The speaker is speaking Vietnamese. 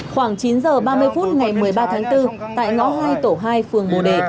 khoảng chín h ba mươi phút ngày một mươi ba tháng bốn tại ngõ hai tổ hai phường bồ đề